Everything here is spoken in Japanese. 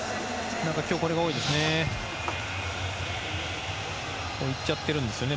今日、これが多いですね。